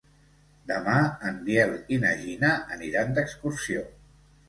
Demà en Biel i na Gina aniran d'excursió.